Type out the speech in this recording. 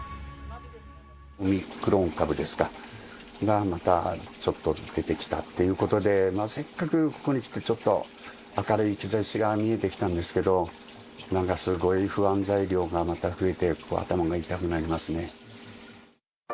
オミクロン株ですか、が、またちょっと出てきたっていうことで、せっかくここに来てちょっと明るい兆しが見えてきたんですけど、なんかすごい不安材料がまた増えて、頭が痛くなりますね。